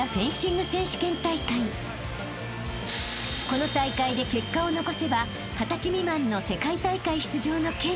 ［この大会で結果を残せば二十歳未満の世界大会出場の権利が］